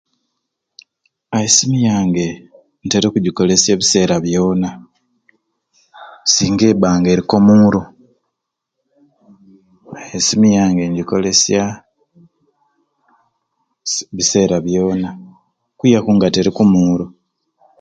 Essimu yange ntera okugikolesya ebiseera byona singa ebba nga eriku omuuro essimu yange ngikolesya bisi biseera byona okwiaku nga teruku muuro.